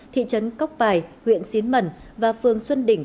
thị trấn cóc bài huyện xín mẩn và phương xuân đỉnh